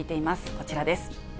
こちらです。